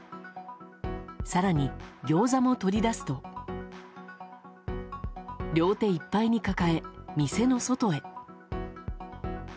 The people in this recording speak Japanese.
更に、ギョーザも取り出すと両手いっぱいに抱え、店の外へ。